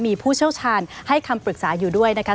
มีผู้เชี่ยวชาญให้คำปรึกษาอยู่ด้วยนะคะ